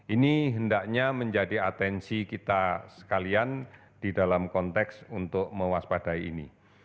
ini hendaknya menjadi atensi kita sekalian di dalam konteks untuk mewaspadai ini